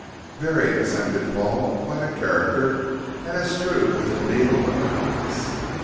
"Very," assented Paul, "quite a character, and as true as the needle of the compass."